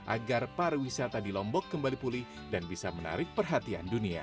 agar pariwisata di lombok kembali pulih dan bisa menarik perhatian dunia